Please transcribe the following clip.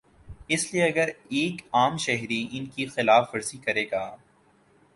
اس لیے اگر ایک عام شہری ان کی خلاف ورزی کرے گا۔